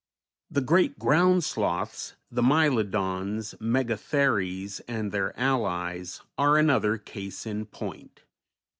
The great ground sloths, the Mylodons, Megatheres, and their allies, are another case in point.